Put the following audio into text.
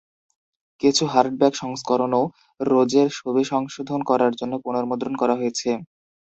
কিছু হার্ডব্যাক সংস্করণও রোজের ছবি সংশোধন করার জন্য পুনর্মুদ্রণ করা হয়েছে।